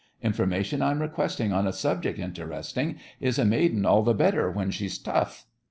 Information I'm requesting On a subject interesting: Is a maiden all the better when she's tough?